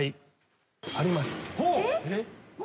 えっ？